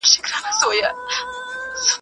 ته به سوځې په دې اور کي ډېر یې نور دي سوځولي.